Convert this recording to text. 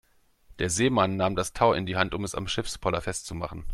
Der Seemann nahm das Tau in die Hand, um es am Schiffspoller festzumachen.